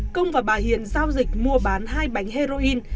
công và bà hiền giao dịch mua bán hai bánh heroin